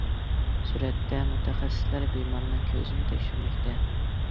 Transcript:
سۈرەتتە: مۇتەخەسسىسلەر بىمارنىڭ كۆزىنى تەكشۈرمەكتە.